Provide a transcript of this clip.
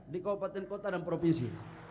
di kabupaten kota dan provinsi